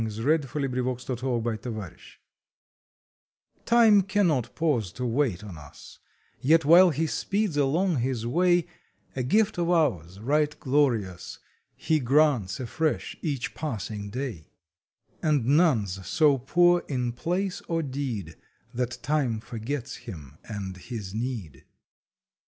October Twenty eighth THE GIFT OF TIME nPIME cannot pause to wait on us, Yet while he speeds along his way A gift of hours right glorious He grants afresh each passing day, And none s so poor in place or deed That Time forgets him and his need.